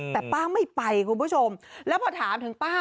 แต่ป้าไม่ไปคุณผู้ชมแล้วพอถามถึงป้า